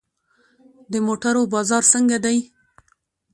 د موټرو بازار څنګه دی؟